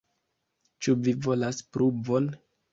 Ĉu vi volas pruvon?